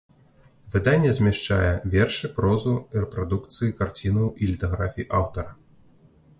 Выданне змяшчае вершы, прозу і рэпрадукцыі карцінаў і літаграфій аўтара.